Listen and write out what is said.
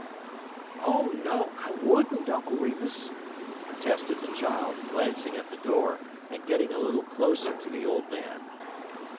"Oh, no, I would n't, Uncle Remus!" protested the child, glancing at the door and getting a little closer to the old man.